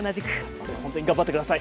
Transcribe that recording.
皆さん、本当に頑張ってください。